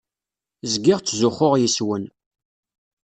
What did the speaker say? Zgiɣ ttzuxxuɣ yes-wen.